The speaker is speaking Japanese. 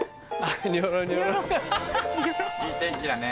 いい天気だね。